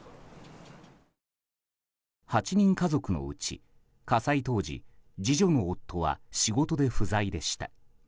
８人家族のうち、火災当時次女の夫は仕事で不在でした。